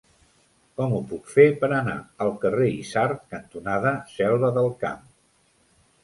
Com ho puc fer per anar al carrer Isard cantonada Selva del Camp?